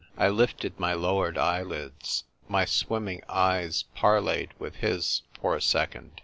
I lifted my lowered eyelids. My swimming eyes par ' leyed with his for a second.